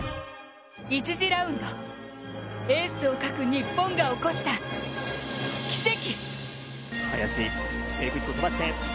１次ラウンド、エースを欠く日本が起こした奇跡。